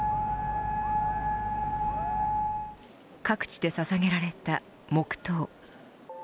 各地でささげられた黙とう。